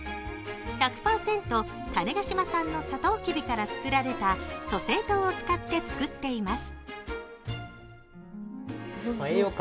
１００％種子島産のさとうきびから作られた粗精糖を使って作られています。